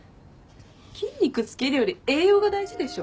筋肉つけるより栄養が大事でしょ。